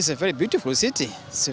itu adalah kota yang sangat indah